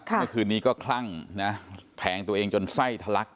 เมื่อคืนนี้ก็คลั่งนะแทงตัวเองจนไส้ทะลัก